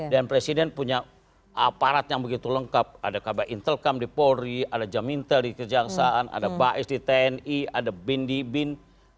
dan presiden punya aparat yang begitu lengkap ada kabar intelcam di polri ada jam intel di kejangsaan ada baes di tni ada bin di bin